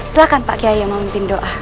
silahkan pak kiai yang memimpin doa